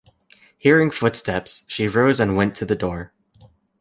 Hearing footsteps, she rose and went to the door.